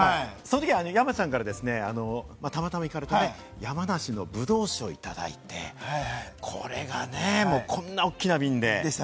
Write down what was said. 山ちゃんからそのときたまたま行かれてね、山梨のブドウ酒をいただいて、これがね、こんな大きな瓶で。